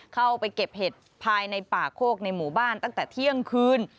เข้าไปเก็บเห็ดภายในป่าโคกในหมู่บ้านตั้งแต่เที่ยงคืน